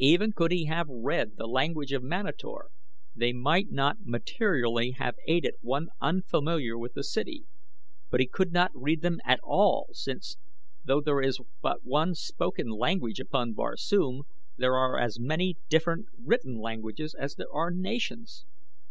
Even could he have read the language of Manator they might not materially have aided one unfamiliar with the city; but he could not read them at all since, though there is but one spoken language upon Barsoom, there are as many different written languages as there are nations.